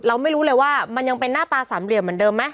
เราไม่รู้เลยว่ามันยังเป็นหน้าตาสามเหลี่ยมเหมือนเดิมไหม